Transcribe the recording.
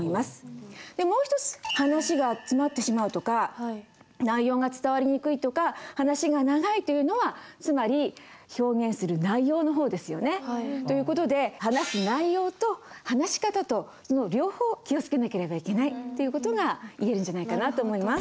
でもう一つ話が詰まってしまうとか内容が伝わりにくいとか話が長いというのはつまり表現する内容の方ですよね。という事で話す内容と話し方とその両方を気を付けなければいけないという事が言えるんじゃないかなと思います。